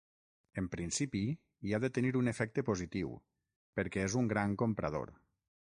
En principi, hi ha de tenir un efecte positiu, perquè és un gran comprador.